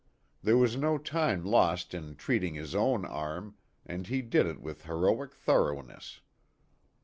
There was no time lost in treating his own arm and he did it with heroic thoroughness.